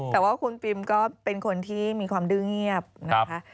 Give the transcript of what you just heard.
แต่ว่าคุณปิมก็เป็นคนที่มีความดื้อเงียบนะคะ